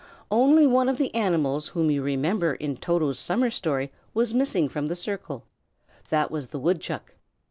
Only one of the animals whom you remember in Toto's summer story was missing from the circle; that was the woodchuck.